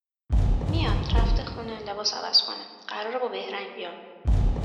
میاد، رفته خونه، لباس عوض کنه؛ قراره با بهرنگ بیان